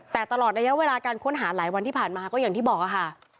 แต่ตลอดระยะเวลาการค้นหาหลายวันที่ผ่านมาก็อย่างที่บอกค่ะ